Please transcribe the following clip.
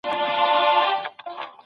دا خصلت دی د کم ذاتو ناکسانو